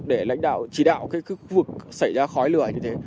để lãnh đạo chỉ đạo cái khu vực xảy ra khói lửa như thế